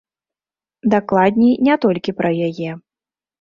Дакладней, не толькі пра яе.